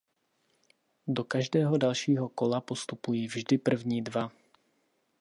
Do každého dalšího kola postupují vždy první dva.